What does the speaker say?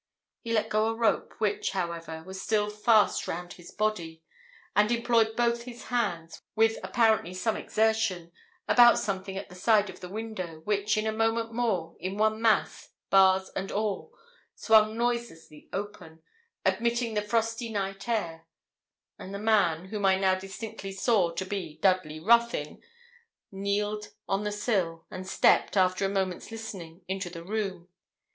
He let go a rope, which, however, was still fast round his body, and employed both his hands, with apparently some exertion, about something at the side of the window, which in a moment more, in one mass, bars and all, swung noiselessly open, admitting the frosty night air; and the man, whom I now distinctly saw to be Dudley Ruthyn, kneeled on the sill, and stept, after a moment's listening, into the room.